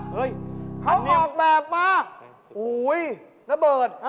โฮ้ยนเบิร์ด